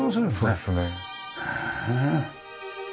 そうですね。